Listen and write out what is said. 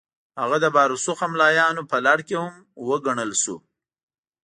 هغه د با رسوخه ملایانو په لړ کې هم وګڼل شو.